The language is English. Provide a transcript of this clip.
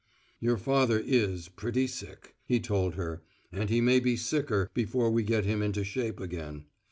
"Your father is pretty sick," he told her, "and he may be sicker before we get him into shape again.